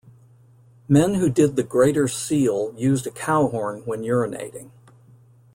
Men who did the "greater seal" used a cow-horn when urinating.